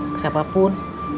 ke siapa pun